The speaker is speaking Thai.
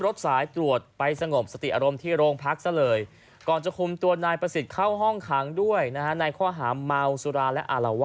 รถสายตรวจไปสงบสติอารมณ์ที่โรงพักษณะเลยก่อนจะคุมตัวนายประสิทธิ์เข้าห้องขังด้วยนะฮะ